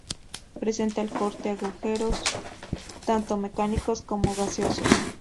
Presenta al corte agujeros, tanto mecánicos como gaseosos.